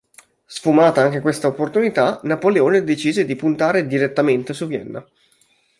Sfumata anche questa opportunità, Napoleone decise di puntare direttamente su Vienna.